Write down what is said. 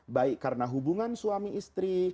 baik karena hubungan suami istri